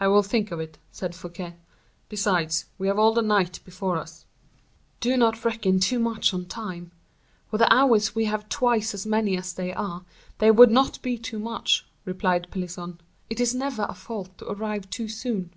"I will think of it," said Fouquet; "besides, we have all the night before us." "Do not reckon too much on time; were the hours we have twice as many as they are, they would not be too much," replied Pelisson; "it is never a fault to arrive too soon."